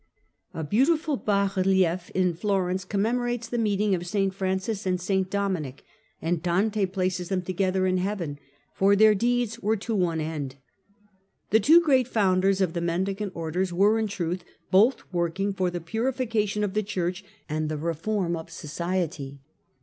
A beautiful bas relief in Florence commemorates the meeting of St Francis and St Dominic, and Dante places them together in heaven, "for their deeds were to one end." The two great founders of the Mendicant Orders were, in truth, both working for the purification of the Church and the reform of society.